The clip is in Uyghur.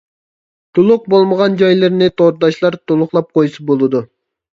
تولۇق بولمىغان جايلىرىنى تورداشلار تولۇقلاپ قويسا بولىدۇ.